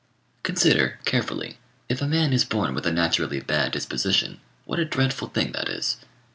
Consider, carefully, if a man is born with a naturally bad disposition, what a dreadful thing that is!